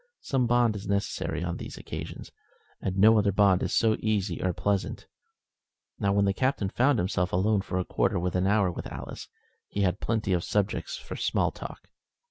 Some bond is necessary on these occasions, and no other bond is so easy or so pleasant. Now, when the Captain found himself alone for a quarter of an hour with Alice, he had plenty of subjects for small talk.